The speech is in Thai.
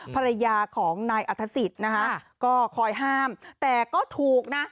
ภรรยาของนายอัฐศิษย์นะคะก็คอยห้ามแต่ก็ถูกนะ